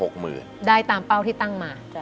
ได้ตามเป้าที่ตั้งมา